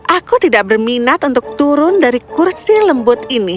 aku tidak berminat untuk turun dari kursi lembut ini